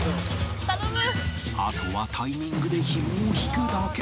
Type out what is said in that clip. あとはタイミングでひもを引くだけ